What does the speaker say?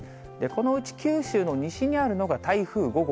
このうち九州の西にあるのが台風５号。